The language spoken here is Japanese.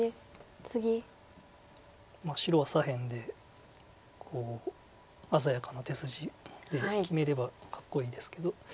白は左辺で鮮やかな手筋で決めればかっこいいんですけど。